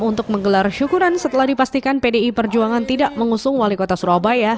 untuk menggelar syukuran setelah dipastikan pdi perjuangan tidak mengusung wali kota surabaya